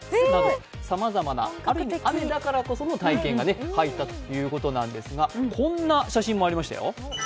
さまざまなある意味雨だからこその体験が入ったということなんですが、こんな写真もありましたよ。